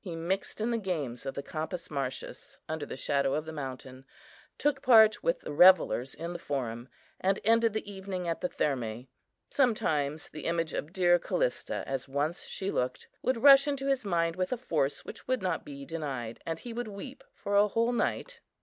He mixed in the games of the Campus Martius under the shadow of the mountain; took part with the revellers in the Forum, and ended the evening at the Thermæ. Sometimes the image of dear Callista, as once she looked, would rush into his mind with a force which would not be denied, and he would weep for a whole night.